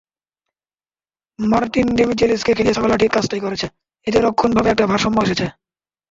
Martin ডেমিচেলিসকে খেলিয়ে Sabella ঠিক কাজটাই করেছে, এতে রক্ষণভাগে একটা ভারসাম্য এসেছে।